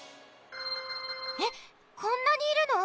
えっこんなにいるの？